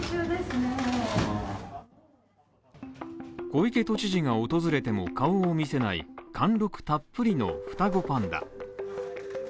小池都知事が訪れても顔を見せない貫禄たっぷりの双子パンダ